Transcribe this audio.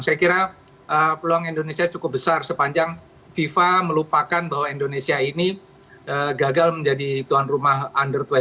saya kira peluang indonesia cukup besar sepanjang fifa melupakan bahwa indonesia ini gagal menjadi tuan rumah under dua puluh